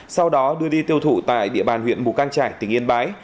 sau đó đưa đi tiêu thủ tại địa bàn huyện mù cang trải tỉnh yên bái